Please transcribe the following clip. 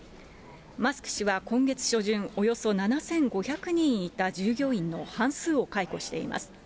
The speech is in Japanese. マスク氏は今月初旬、およそ７５００人いた従業員の半数を解雇しています。